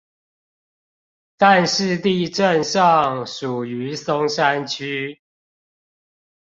但是地政上屬於松山區